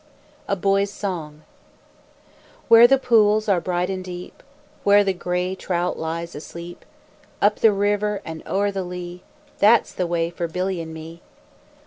A BOY'S SONG Where the pools are bright and deep, Where the gray trout lies asleep, Up the river and o'er the lea, That's the way for Billy and me.